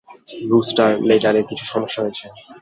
Rooster, লেজারে কিছু সমস্যা হয়েছে।